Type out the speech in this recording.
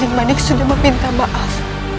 ibu nanda sudah meminta maaf